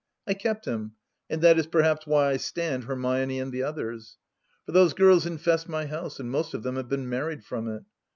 I kept him, and that is perhaps why I stand Hermione and the others. For those girls infest my house, and most of them have been married from it.